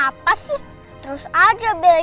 mama apa sih terus aja bilang si rena